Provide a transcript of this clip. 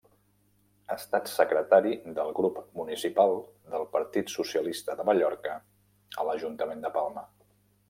Ha estat secretari del grup municipal del Partit Socialista de Mallorca a l'Ajuntament de Palma.